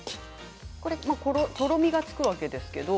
とろみがつくわけですね。